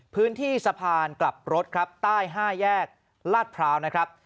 พื้นที่สะพานกลับรถครับใต้๕แยกลาดพร้าวนะครับ